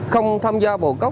không tham gia bầu cốc